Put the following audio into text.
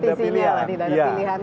tidak ada pilihannya